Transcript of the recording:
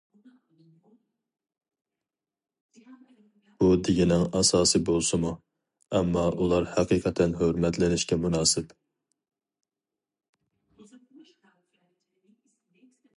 - بۇ دېگىنىڭ ئاساسى بولسىمۇ، ئەمما ئۇلار ھەقىقەتەن ھۆرمەتلىنىشكە مۇناسىپ.